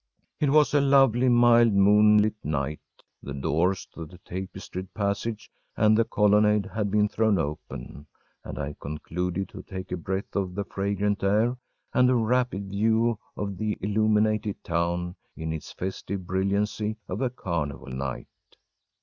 It was a lovely, mild, moonlight night; the doors to the tapestried passage and the colonnade had been thrown open, and I concluded to take a breath of the fragrant air and a rapid view of the illuminated town in its festive brilliancy of a carnival night.